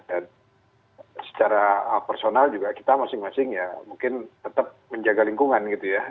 dan secara personal juga kita masing masing ya mungkin tetap menjaga lingkungan gitu ya